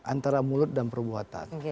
antara mulut dan perbuatan